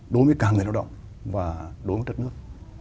đối với cả người lao động và đối với đất nước